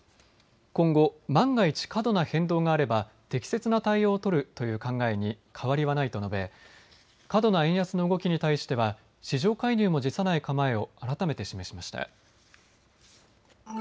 今後万が一過度な変動があれば適切な対応を取るという考えに変わりはないと述べ過度な円安の動きに対しては市場介入も辞さない構えを改めて示しました。